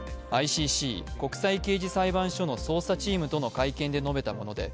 ＩＣＣ＝国際刑事裁判所の捜査チームとの会見で述べたもので